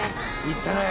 いったね。